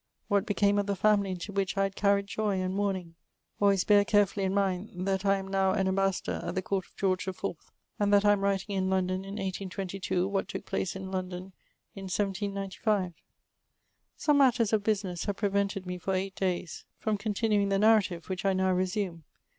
What became of the family into which I had carried joy and mourn ing ? Always bear carefully in mind, that I am now an Am bassador at the court of George IV., and that I am writing in London in 1822 what took place in London in 1795. Some matters of business have prevented me for eight days from continuing the narrative, which I now resume.